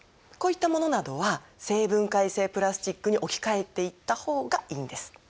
こういったものなどは生分解性プラスチックに置き換えていった方がいいんです。